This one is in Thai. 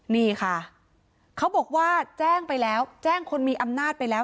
นี่ค่ะเขาบอกว่าแจ้งไปแล้วแจ้งคนมีอำนาจไปแล้ว